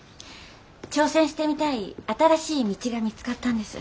挑戦してみたい新しい道が見つかったんです。